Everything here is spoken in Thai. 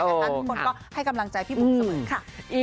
ทุกคนก็ให้กำลังใจพี่บุ๋มเสมอเลยค่ะ